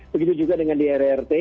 begitu juga dengan di rrt